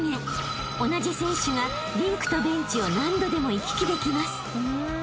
［同じ選手がリンクとベンチを何度でも行き来できます］